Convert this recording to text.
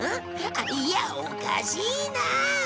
あっいやおかしいな。